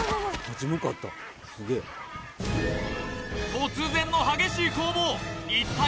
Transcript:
突然の激しい攻防